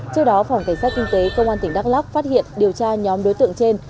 trước đó phòng cảnh sát kinh tế công an tỉnh đắk lóc phát hiện điều tra nhóm đối tượng trên